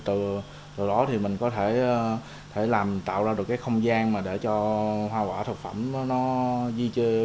từ đó mình có thể tạo ra được không gian để cho hoa quả thực phẩm di chuyển